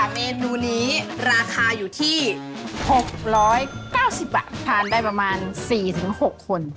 เมนูนี้ราคาอยู่ที่๖๙๐บาททานได้ประมาณ๔๖คน